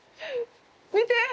見て！